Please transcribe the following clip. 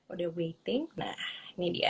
udah waiting nah ini dia